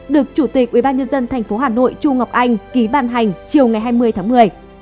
được chủ tịch ubnd tp hà nội chu ngọc anh ký bàn hành chiều ngày hai mươi tháng một mươi